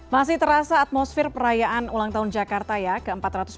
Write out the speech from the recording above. masih terasa atmosfer perayaan ulang tahun jakarta ya ke empat ratus dua puluh